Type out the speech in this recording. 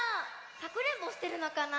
かくれんぼしてるのかな？